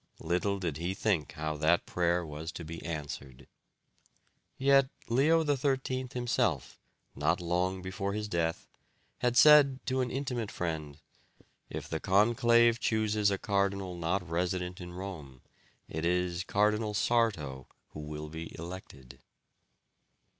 Little did he think how that prayer was to be answered. Yet Leo XIII himself not long before his death had said to an intimate friend, "If the conclave chooses a cardinal not resident in Rome, it is Cardinal Sarto who will be elected."